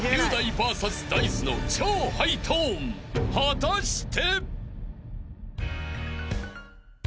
［果たして］